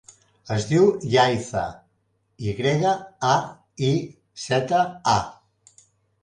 Es diu Yaiza: i grega, a, i, zeta, a.